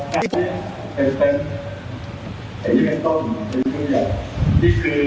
ท่านผู้สนใจการเรียนคาด